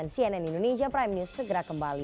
cnn indonesia prime news segera kembali